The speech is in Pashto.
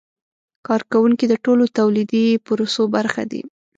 کارکوونکي د ټولو تولیدي پروسو برخه دي.